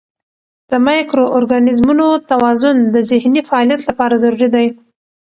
د مایکرو ارګانیزمونو توازن د ذهني فعالیت لپاره ضروري دی.